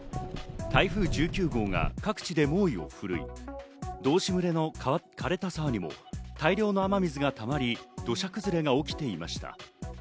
台風１９号が各地で猛威をふるい、道志村の枯れた沢にも大量の雨水がたまり、土砂崩れが起きていました。